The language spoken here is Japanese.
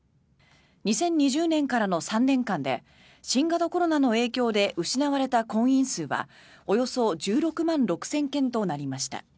２０２０年からの３年間で新型コロナの影響で失われた婚姻数はおよそ１６万６０００件となりました。